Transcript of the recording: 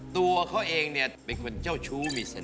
ตัวเขาเองเนี่ยเป็นคนเจ้าชู้มีเสน